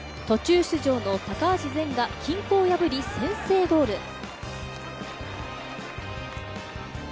途中出場の高足善が均衡を破り、先制ゴール。